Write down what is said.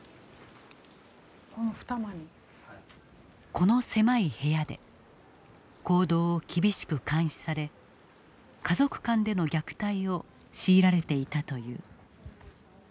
この狭い部屋で行動を厳しく監視され家族間での虐待を強いられていたという。